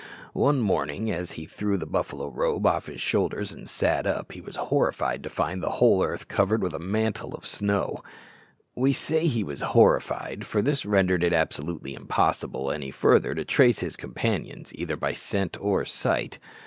One morning, as he threw the buffalo robe off his shoulders and sat up, he was horrified to find the whole earth covered with a mantle of snow. We say he was horrified, for this rendered it absolutely impossible any further to trace his companions either by scent or sight.